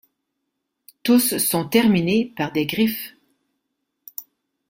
Tous sont terminés par des griffes.